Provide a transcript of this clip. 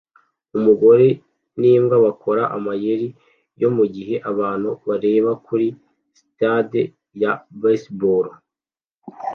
Umugore n'imbwa bakora amayeri ya mugihe abantu bareba kuri stade ya baseball